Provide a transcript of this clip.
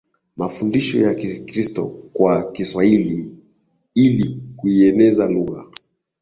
mafundisho ya Kikristo kwa Kiswahili ili kuieneza lugha